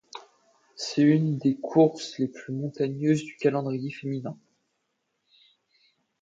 C'est une des courses les plus montagneuses du calendrier féminin.